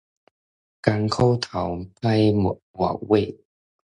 艱苦頭，快活尾